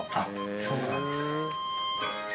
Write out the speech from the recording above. そうなんですね。